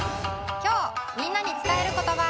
きょうみんなにつたえることば。